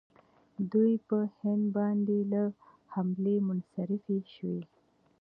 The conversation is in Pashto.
دوی په هند باندې له حملې منصرفې شوې.